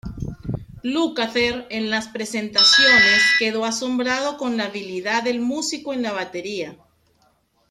Lukather en las presentaciones quedó asombrado con la habilidad del músico en la batería.